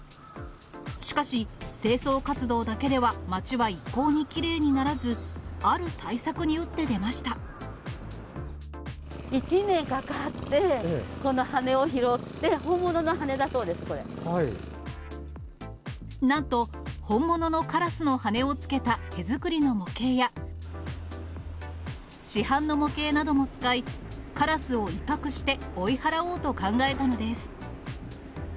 しかし、清掃活動だけでは町は一向にきれいにならず、ある対策に打って出１年かかって、この羽根を拾って、なんと、本物のカラスの羽根をつけた手作りの模型や、市販の模型なども使い、カラスを威嚇して追い払おうと考えたのです。